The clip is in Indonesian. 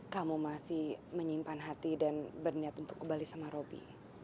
kamu masih menyimpan hati dan berniat untuk kembali sama roby